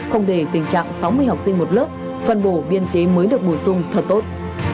không để tình trạng sáu mươi học sinh một lớp phân bổ biên chế mới được bổ sung thật tốt